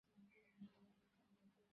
নিসার আলি নিয়ম ভঙ্গ করলেন।